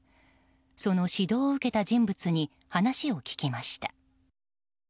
その指導を受けた人物に話を聞きました。